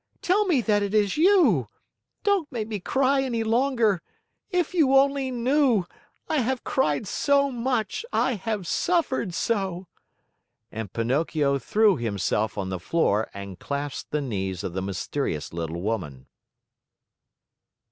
Tell me that it is you! Don't make me cry any longer! If you only knew! I have cried so much, I have suffered so!" And Pinocchio threw himself on the floor and clasped the knees of the mysterious little woman.